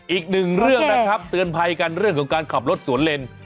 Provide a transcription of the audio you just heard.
อีกหนึ่งเรื่องนะครับเตือนภัยกันเรื่องของการขับรถสวนเลน